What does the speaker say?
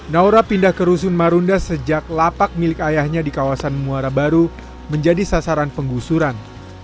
naura pindah ke rusun marunda sejak lapak milik ayahnya di kawasan muara baru menjadi sasaran penggusuran